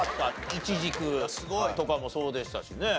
いちじくとかもそうでしたしね。